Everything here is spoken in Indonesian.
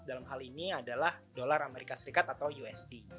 dalam hal ini adalah dolar amerika serikat atau usd